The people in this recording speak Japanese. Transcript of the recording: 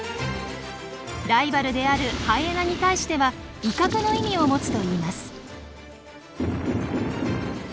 ライバルであるハイエナに対しては威嚇の意味を持つといいます。